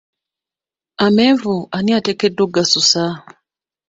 Amenvu ani ateekeddwa okugasusa?